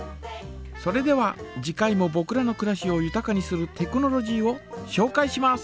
それでは次回もぼくらのくらしをゆたかにするテクノロジーをしょうかいします。